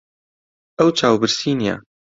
ئەو چاوبرسی نییە.